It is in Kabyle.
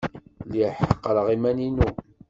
Lliɣ ḥeqreɣ iman-inu.